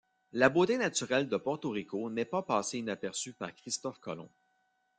La beauté naturelle de Porto Rico n'est pas passée inaperçue par Christophe Colomb.